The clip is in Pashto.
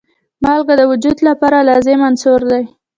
مالګه د وجود لپاره لازم عنصر دی.